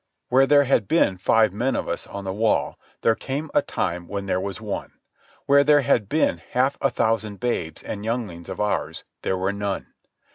Where there had been five men of us on the wall, there came a time when there was one; where there had been half a thousand babes and younglings of ours, there were none.